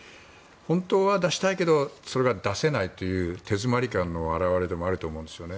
本当は出したいけどそれが出せないという手詰まり感の表れでもあると思うんですよね。